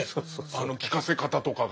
あの聞かせ方とかが。